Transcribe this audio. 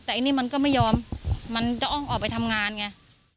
แต่ไอ้นี่มันก็ไม่ยอมมันจะต้องออกไปทำงานไง